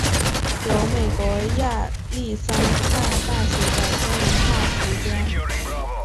由美国亚利桑那大学的天文化学家。